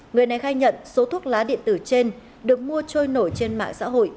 người này khai nhận số thuốc lá điện tử trên được mua trôi nổi trên mạng xã hội